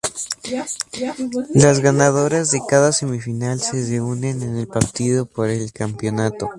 Las ganadoras de cada semifinal se reúnen en el partido por el campeonato.